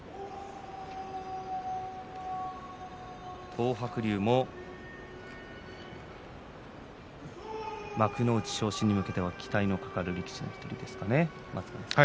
東白龍も幕内昇進に向けては期待の持てる力士です。